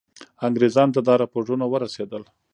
انګرېزانو ته دا رپوټونه ورسېدل.